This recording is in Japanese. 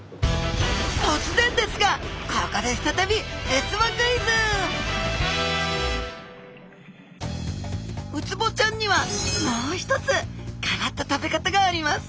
とつぜんですがここで再びウツボちゃんにはもう一つ変わった食べ方があります。